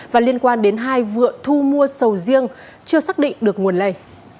và liên quan đến hai vựa thu mua sầu riêng chưa xác định được nguồn lây